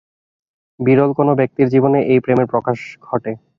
বিরল কোন ব্যক্তির জীবনে এই প্রেমের প্রকাশ ঘটে।